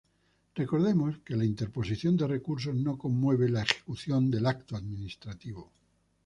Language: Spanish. Recordemos que la interposición de recursos no conmueve la ejecución del acto administrativo.